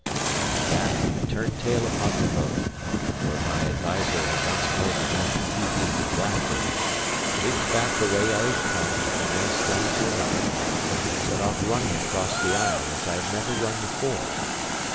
At that I turned tail upon their boat (where my adviser had once more begun to tee hee with laughter), leaped back the way I had come, from one stone to another, and set off running across the isle as I had never run before.